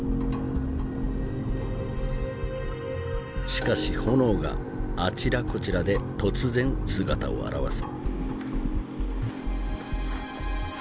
しかし炎があちらこちらで突然姿を現す。